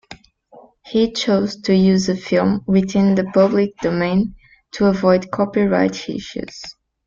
He chose to use a film within the public domain to avoid copyright issues.